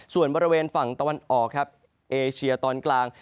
ส่วนบริเวณฝั่งตะวันออกครับเอเชียตอนกลาง